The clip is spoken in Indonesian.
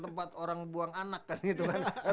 tempat orang buang anak kan gitu kan